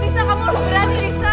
risa kamu berani risa